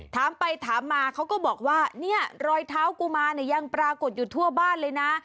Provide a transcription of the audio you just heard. ถามไปถามมาเขาก็บอกว่าเนี่ยรอยเท้ากุมารเนี่ยยังปรากฏอยู่ทั่วบ้านเลยนะ